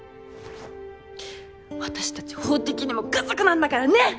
私たち法的にも家族なんだからね！